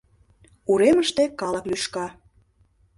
Уремыште калык лӱшка.